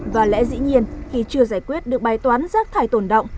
và lẽ dĩ nhiên khi chưa giải quyết được bài toán rác thải tồn động